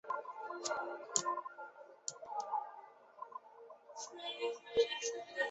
这座车站位于劳动路与大庆路口。